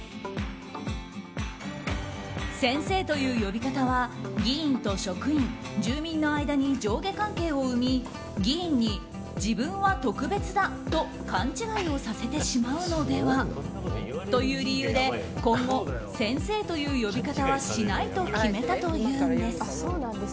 先生という呼び方は議員と職員、住民の間に上下関係を生み議員に、自分は特別だと勘違いをさせてしまうのではという理由で今後、先生という呼び方はしないと決めたというんです。